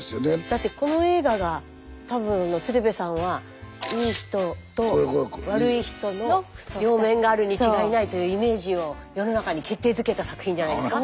だってこの映画が多分鶴瓶さんはいい人と悪い人の両面があるに違いないというイメージを世の中に決定づけた作品じゃないですか。